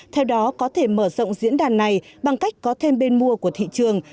theo đó có thể mở rộng diễn đàn này bằng cách có thêm bên mua của thị trường